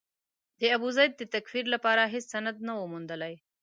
د ابوزید د تکفیر لپاره هېڅ سند نه و موندلای.